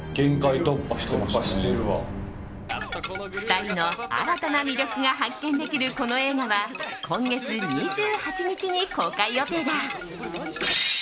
２人の新たな魅力が発見できるこの映画は今月２８日に公開予定だ。